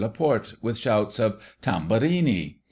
Laporte, with shouts of " Tamburini